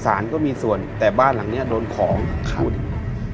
สารก็มีส่วนแต่บ้านหลังเนี่ยโดนของครับ